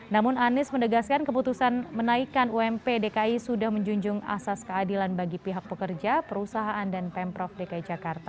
namun anies mendegaskan keputusan menaikan ump dki sudah menjunjung asas keadilan bagi pihak pekerja perusahaan dan pemprov dki jakarta